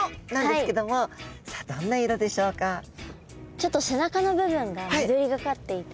ちょっと背中の部分が緑がかっていて。